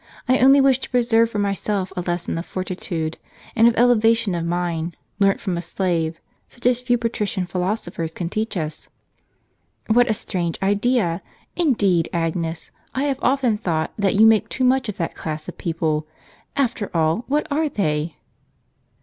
I only wish to preserve TO for myself a lesson of fortitude, and of elevation of mind, learnt from a slave, such as few patrician philosophers can teach us." "What a strange idea! Indeed, Agnes, I have often thought that you make too much of that class of people. After all, what are they?"